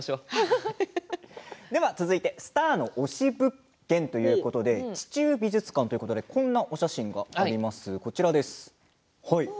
続いてスターの推し物件ということで地中美術館ということでこんなお写真があります。